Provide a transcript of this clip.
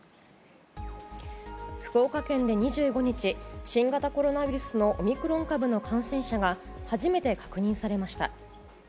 福岡県で２５日新型コロナウイルスのオミクロン株の感染者が初めて確認されました。